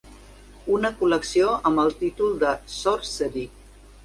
Una col·lecció amb el títol de Sorcery!